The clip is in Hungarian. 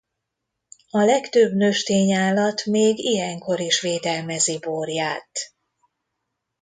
A legtöbb nőstény állat még ilyenkor is védelmezi borját.